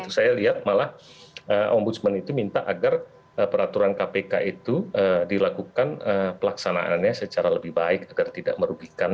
saya lihat malah ombudsman itu minta agar peraturan kpk itu dilakukan pelaksanaannya secara lebih baik agar tidak merugikan